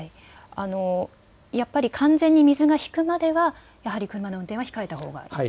やっぱり完全に水が引くまでは車の運転は控えたほうがいいと。